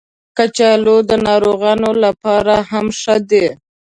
کچالو د ناروغانو لپاره هم ښه دي